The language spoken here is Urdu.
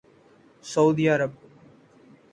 سعودی عرب